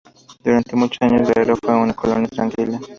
Durante muchos años Guerrero fue una colonia tranquila.